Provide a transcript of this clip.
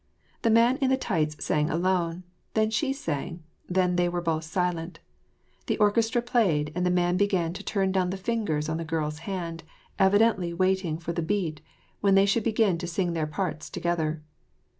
The man in the tights sang alone, then she sang, then they were both silent. The orchestra played, and the man began to turn down the lingers on the girl's hand, evidently waiting for the beat when they should begin to sing their parts together.